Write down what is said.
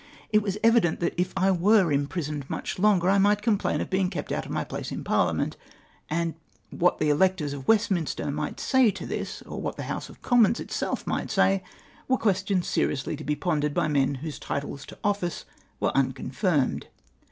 It was evident that if I were imprisoned much longer, I might complam of being kept out of my place iu Parhament, and what the electors of Westminster might say to this, or what the House of Commons itself might say, were questions seriously to be pon dered by men whose titles to office were unconfirmed.